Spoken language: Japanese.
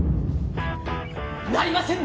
なりません！